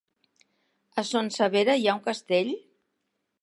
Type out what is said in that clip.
A Son Servera hi ha un castell?